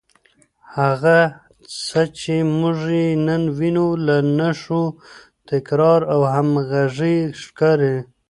هغه څه چې موږ یې نن وینو، له نښو، تکرار او همغږۍ ښکاري